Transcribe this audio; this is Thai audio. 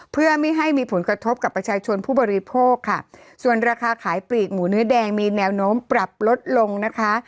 เพื่อไม่ให้มีผลกระทบกับประชาชนผู้บริโภคค่ะส่วนราคาขายปลีกหมูเนื้อแดงมีแนวโน้มปรับลดลงนะคะ